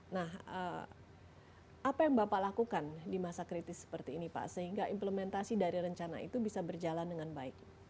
nah apa yang bapak lakukan di masa kritis seperti ini pak sehingga implementasi dari rencana itu bisa berjalan dengan baik